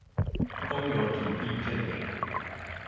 公有土地認養